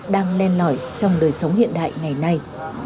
đang len lỏi trong đời sống hiện đại ngày nay